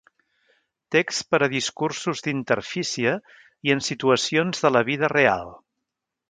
Text per a discursos d"interfície i en situacions de la vida real.